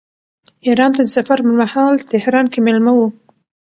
ایران ته د سفر پرمهال تهران کې مېلمه و.